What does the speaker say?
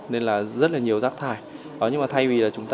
nên là rất là nhiều rác thải